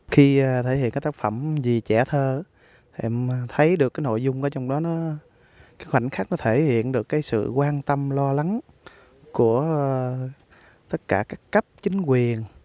khi thể hiện tác phẩm vì trẻ thơ em thấy được nội dung trong đó khoảnh khắc nó thể hiện được sự quan tâm lo lắng của tất cả các cấp chính quyền